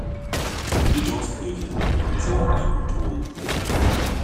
Die Dorfkirche hat einen sehr alten Turm.